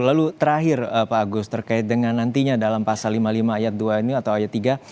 lalu terakhir pak agus terkait dengan nantinya dalam pasal lima puluh lima ayat dua ini atau ayat tiga